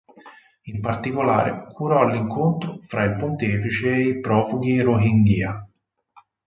In particolare curò l'incontro fra il pontefice e i profughi Rohingya.